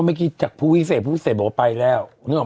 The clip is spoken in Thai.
เขาเมื่อกี้จากผู้วิเศษผู้วิเศษบอกไปแล้ว